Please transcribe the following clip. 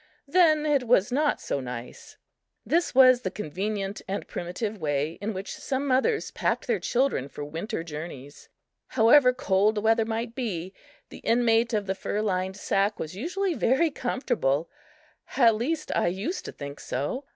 Then it was not so nice! This was the convenient and primitive way in which some mothers packed their children for winter journeys. However cold the weather might be, the inmate of the fur lined sack was usually very comfortable at least I used to think so.